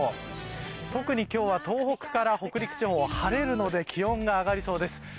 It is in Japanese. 特に今日は東北から北陸地方晴れるので気温が上がりそうです。